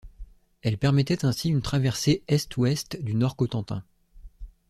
Elle permettait ainsi une traversée est-ouest du Nord Cotentin.